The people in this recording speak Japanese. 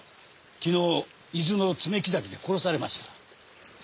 昨日伊豆の爪木崎で殺されました。